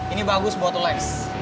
ini bagus buat uleks